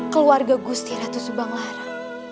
keluarga gusti ratu subang lara